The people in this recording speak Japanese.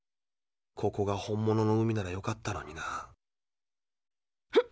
ここが本物の海ならよかったのにな。